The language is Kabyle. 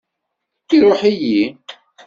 Iṛuḥ-iyi.